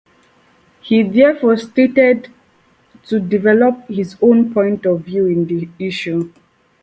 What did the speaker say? He therefore started to develop his own point of view in this issue.